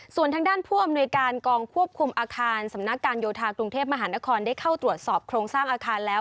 ส่วนทางด้านผู้อำนวยการกองควบคุมอาคารสำนักการโยธากรุงเทพมหานครได้เข้าตรวจสอบโครงสร้างอาคารแล้ว